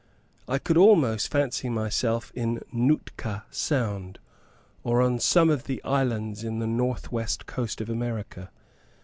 I could almost fancy myself in Nootka Sound, or on some of the islands on the north west coast of America.